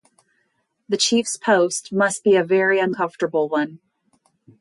The chief's post must be a very uncomfortable one.